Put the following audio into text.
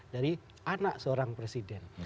dari anak seorang presiden